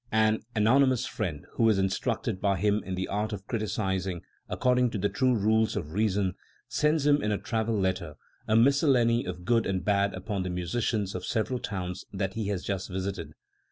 An anonymous "Friend", who is instructed by him in the art of criticising according to the true rules of reason, sends him in a travel letter a miscel lany of good and bad upon the musicians of several towns that he has just visited.